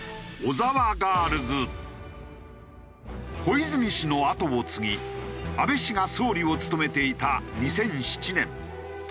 小泉氏の後を継ぎ安倍氏が総理を務めていた２００７年。